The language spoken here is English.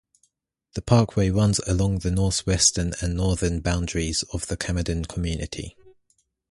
The parkway runs along the northwestern and northern boundaries of the Camden community.